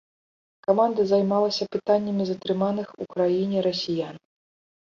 Каманда займалася пытаннямі затрыманых у краіне расіян.